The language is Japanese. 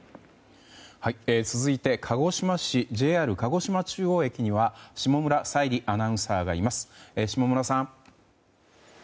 続いて、鹿児島市ＪＲ鹿児島中央駅には下村彩里アナウンサーがいます。